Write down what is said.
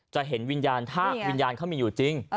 จะเห็นวิญญาณถ้าวิญญาณเขามีอยู่จริง